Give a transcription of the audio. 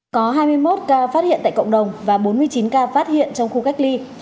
có hai mươi một ca phát hiện tại cộng đồng và bốn mươi chín ca phát hiện trong khu cách ly